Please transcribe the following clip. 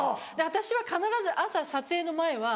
私は必ず朝撮影の前は。